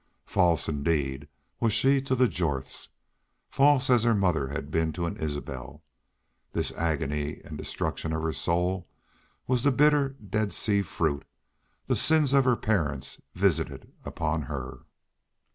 False, indeed, was she to the Jorths! False as her mother had been to an Isbel! This agony and destruction of her soul was the bitter Dead Sea fruit the sins of her parents visited upon her.